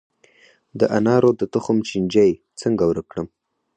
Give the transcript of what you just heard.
د انارو د تخم چینجی څنګه ورک کړم؟